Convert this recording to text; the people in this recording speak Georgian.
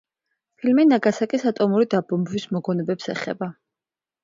ფილმი ნაგასაკის ატომური დაბომბვის მოგონებებს ეხება.